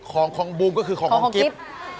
ของบูมก็คือของทริป